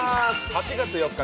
８月４日